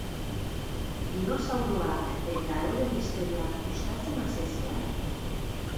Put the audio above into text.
Dinosauroak eta euren historia gustatzen al zaizue?